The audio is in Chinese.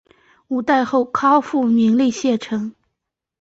五代后唐复名黎城县。